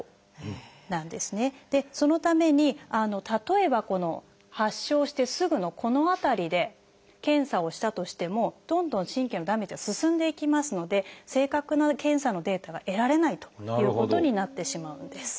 そのために例えば発症してすぐのこの辺りで検査をしたとしてもどんどん神経のダメージは進んでいきますので正確な検査のデータが得られないということになってしまうんです。